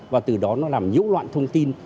và từ đó nó làm nhũ loạn thông tin